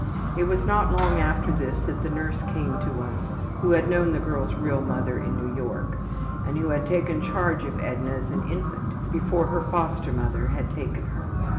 It was not long after this that the nurse came to us who had known the girl's real mother in New York and who had taken charge of Edna as an infant before her foster mother had taken her.